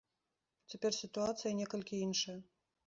Цяпер сітуацыя некалькі іншая.